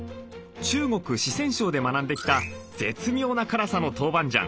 中国・四川省で学んできた絶妙な辛さの豆板醤。